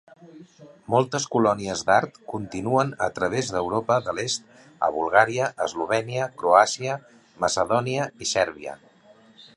Moltes colònies d'art continuen a través d'Europa de l'est a Bulgària, Eslovènia, Croàcia, Macedònia i Sèrbia.